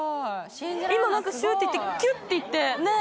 今何かシューッていってキュッていってねえ